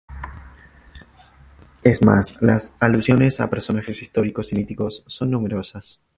Es más, las alusiones a personajes históricos y míticos son numerosas.